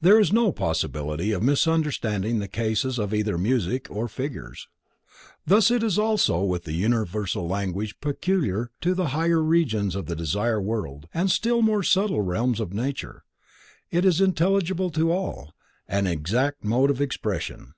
There is no possibility of misunderstanding in the cases of either music or figures. Thus it is also with the universal language peculiar to the higher Regions of the Desire World and the still more subtile realms in nature, it is intelligible to all, an exact mode of expression.